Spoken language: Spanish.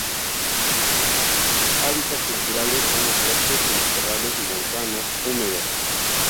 Sus hábitats naturales son los bosques y matorrales montanos húmedos.